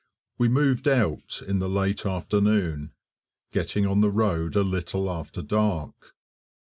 We moved out in the late afternoon, getting on the road a little after dark.